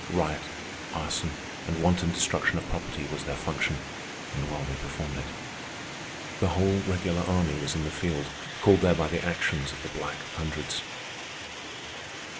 Riot, arson, and wanton destruction of property was their function, and well they performed it. The whole regular army was in the field, called there by the actions of the Black Hundreds.